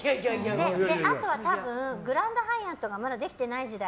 あとは、多分グランドハイアットがまだできていない時代。